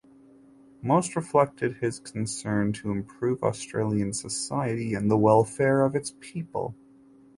Most reflected his concern to improve Australian society and the welfare of its people.